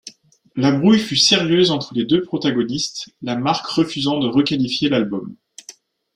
La brouille fut sérieuse entre les deux protagonistes, la marque refusant de requalifier l’album.